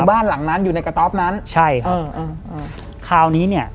บ้านหลังนั้นอยู่ในกระต๊อปนั้นใช่ครับเอออืมคราวนี้เนี้ย